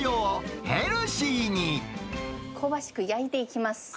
エビマ香ばしく焼いていきます。